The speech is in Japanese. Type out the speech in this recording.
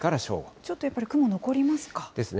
ちょっとやっぱり雲残りますか。ですね。